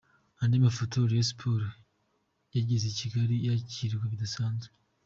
Andi mafoto: Rayon Sports yageze i Kigali yakirwa bidasanzwe.